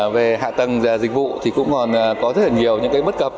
về hạ tầng dịch vụ thì cũng còn có rất nhiều những bất cập